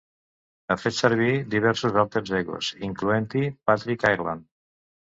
Ha fet servir diversos 'alter egos', incloent-hi Patrick Ireland.